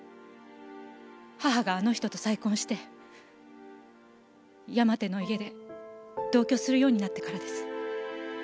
母があの人と再婚して山手の家で同居するようになってからです。